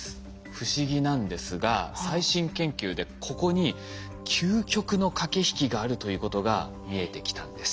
不思議なんですが最新研究でここに究極の駆け引きがあるということが見えてきたんです。